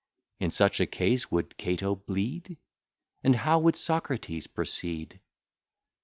In such a case would Cato bleed? And how would Socrates proceed?